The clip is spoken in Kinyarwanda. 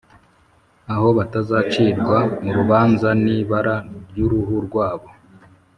aho batazacirwa urubanza nibara ryuruhu rwabo